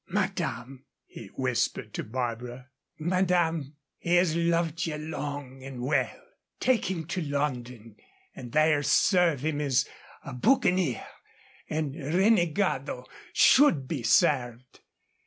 "Madame," he whispered to Barbara "madame, he has loved ye long and well. Take him to London and there serve him as a boucanier and renegado should be served.